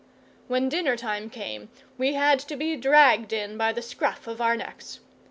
When dinner time came we had to be dragged in by the scruff of our necks.